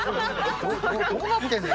どうなってんの？